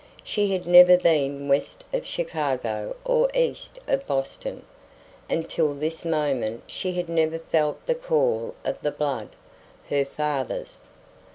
She had never been west of Chicago or east of Boston. Until this moment she had never felt the call of the blood her father's.